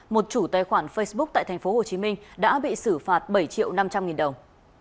một chủ tài khoản facebook tại tp hcm đã bị xử phạt bảy triệu năm trăm linh nghìn đồng